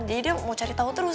jadi dia mau cari tau terus